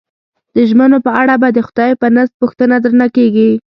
د ژمنو په اړه به د خدای په نزد پوښتنه درنه کېږي.